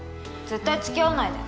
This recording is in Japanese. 絶対付き合わないで。